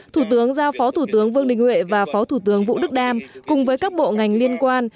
thủ tướng giao phó thủ tướng vương đình huệ và phó thủ tướng vũ đức đam cùng với các bộ ngành liên quan